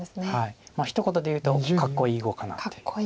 ひと言で言うとかっこいい碁かなって。